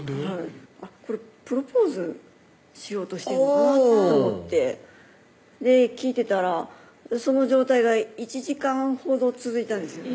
あっこれプロポーズしようとしてるのかなと思って聞いてたらその状態が１時間ほど続いたんですよ